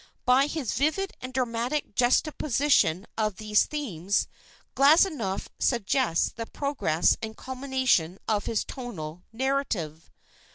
By his vivid and dramatic juxtaposition of these themes, Glazounoff suggests the progress and culmination of his tonal narrative.